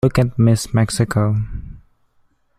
Look at Miss Mexico.